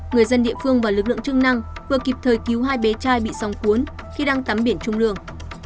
người dân địa phương và lực lượng chức năng vừa kịp thời cứu hai bé trai bị sóng cuốn khi đang tắm biển trung lương